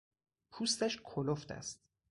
پوستش کلفت است.